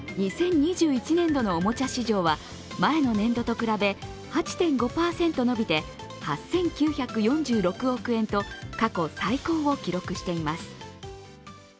２０２１年度のおもちゃ市場は前の年度と比べ、８．５％伸びて８９４６億円と過去最高を記録しています。